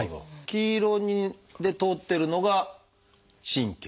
黄色で通ってるのが神経？